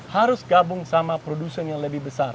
harus gabung sama produsen yang lebih besar